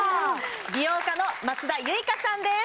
美容家の松田唯花さんです